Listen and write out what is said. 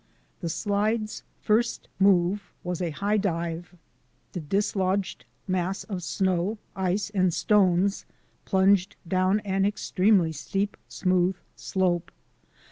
The slide's first move was a high dive. The dislodged mass of snow, ice, and stones plunged down an extremely steep, smooth slope.